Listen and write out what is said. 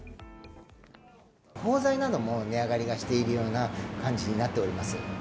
包材なども値上がりがしているような感じになっております。